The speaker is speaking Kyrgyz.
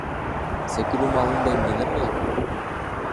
Секирүү маалында эмнелер болот?